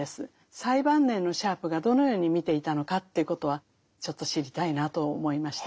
最晩年のシャープがどのように見ていたのかということはちょっと知りたいなと思いました。